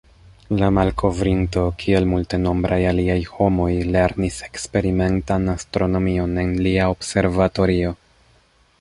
La malkovrinto, kiel multenombraj aliaj homoj, lernis eksperimentan astronomion en lia observatorio.